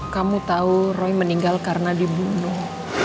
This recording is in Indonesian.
kamu tahu roy meninggal karena dibunuh